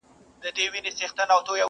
سرداري يې زما په پچه ده ختلې!!